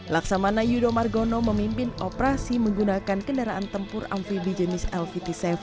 laksamana yudho margono memimpin operasi menggunakan kendaraan tempur amfibi jenis lvt tujuh